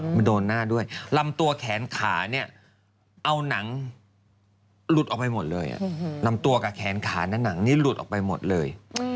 มันโดนหน้าด้วยลำตัวแขนขาเนี่ยเอานังลุดออกไปหมดเลย